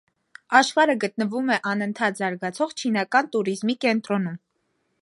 Աշխարհը գտնվում է անընդհատ զարգացող չինական տուրիզմի «կենտրոնում»։